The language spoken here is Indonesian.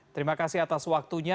terima kasih atas waktunya